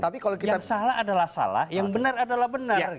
tapi yang salah adalah salah yang benar adalah benar